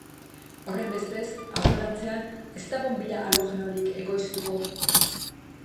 Horrenbestez, aurrerantzean ez da bonbilla halogenorik ekoiztuko.